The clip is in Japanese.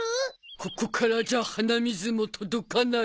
ここからじゃ鼻水も届かない。